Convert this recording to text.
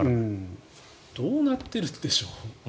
どうなってるんでしょう。